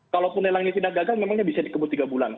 kalaupun lelangnya tidak gagal memangnya bisa dikebut tiga bulan